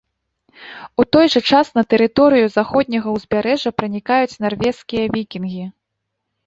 У той жа час на тэрыторыю заходняга ўзбярэжжа пранікаюць нарвежскія вікінгі.